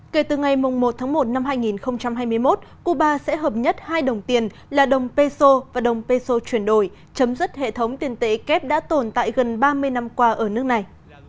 kể từ ngày một tháng một năm hai nghìn hai mươi một cuba sẽ hợp nhất hai đồng tiền là đồng peso và đồng peso chuyển đổi chấm dứt hệ thống tiền tệ kép đã tồn tại gần ba mươi năm qua ở nước này